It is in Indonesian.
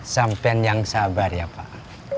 sampai nyang sabar ya pak